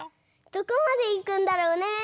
どこまでいくんだろうね？